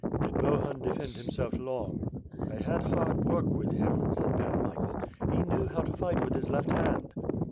"Did Bohun defend himself long?" "I had hard work with him," said Pan Michael, ^Tie knew how to fight with his left hand."